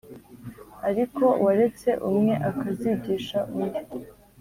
Ariko waretse umwe akazigisha undi